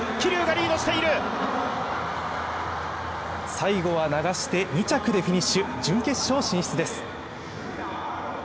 最後は流して２着でフィニッシュ、準決勝進出です。